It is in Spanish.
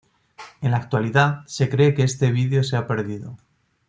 En la actualidad se cree que este video se ha perdido.